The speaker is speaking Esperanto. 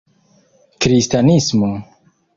kristanismo